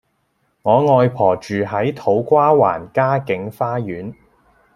我外婆住喺土瓜灣嘉景花園